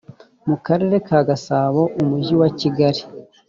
mu karere ka gasabo umujyi wa kigali